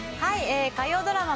火曜ドラマ